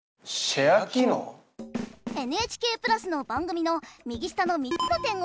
ＮＨＫプラスの番組の右下の３つの点を押してください。